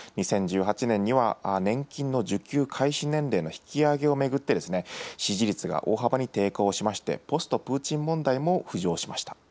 ２０１８年には、年金の受給開始年齢の引き上げを巡って、支持率が大幅に低下をしまして、ポストプーチン問題も浮上しました。